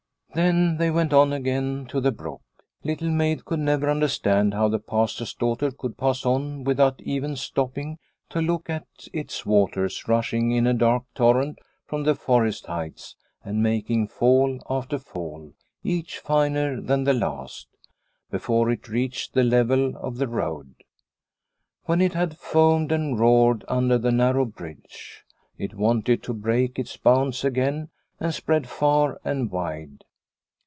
Then they went on again to the brook. Little Maid could never understand how the Pastor's daughter could pass on without even stopping to look at its waters rushing in a dark torrent from the forest heights and making fall after fall, each finer than the last, before it reached the level of the road. When it had foamed and roared under the narrow bridge, it wanted to break its bounds again and spread far and wide.